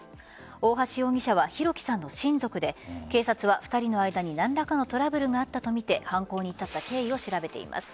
大橋容疑者は弘輝さんの親族で警察は２人の間に何らかのトラブルがあったとみて犯行に至った経緯を調べています。